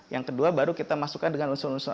yang kedua baru kita masukkan dengan unsur unsur